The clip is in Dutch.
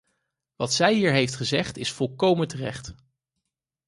Wat zij hier heeft gezegd is volkomen terecht.